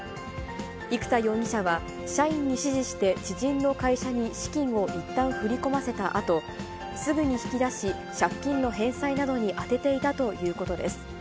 生田容疑者は、社員に指示して、知人の会社に資金をいったん振り込ませたあと、すぐに引き出し、借金の返済などに充てていたということです。